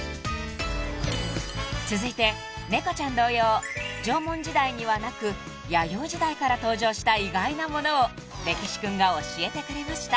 ［続いて猫ちゃん同様縄文時代にはなく弥生時代から登場した意外なものをれきしクンが教えてくれました］